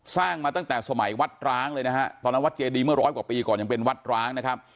สร้างมาตั้งแต่สมัยวัดร้างเลยนะฮะตอนนั้นวัดเจดีเมื่อร้อยกว่าปีก่อนยังเป็นวัดร้างนะครับ